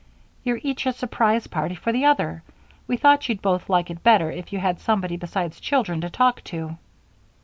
You're each a surprise party for the other we thought you'd both like it better if you had somebody besides children to talk to."